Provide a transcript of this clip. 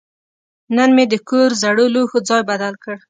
نن مې د کور زړو لوښو ځای بدل کړ.